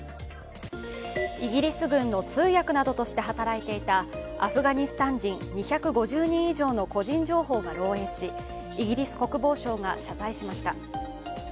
イギリス軍の通訳などとして働いていたアフガニスタン人２５０人以上の個人情報が漏えいしイギリス国防省が謝罪しました。